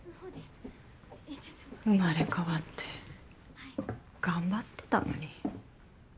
生まれ変わって頑張ってたのに。